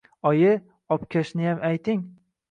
Oyi,. obkashniyam ayting.